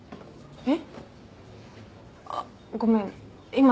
えっ？